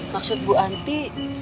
maksud bu anti